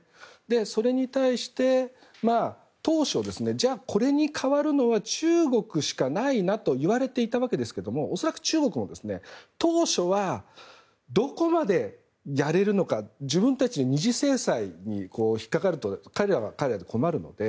それに対して、当初じゃあ、これに代わるのは中国しかないなといわれていたわけですが恐らく中国も当初はどこまでやれるのか自分たちが２次制裁に引っかかると彼らは困るので。